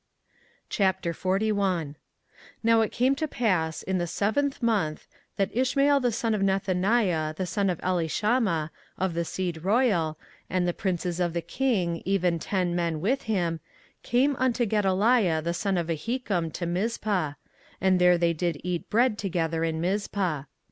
24:041:001 Now it came to pass in the seventh month, that Ishmael the son of Nethaniah the son of Elishama, of the seed royal, and the princes of the king, even ten men with him, came unto Gedaliah the son of Ahikam to Mizpah; and there they did eat bread together in Mizpah.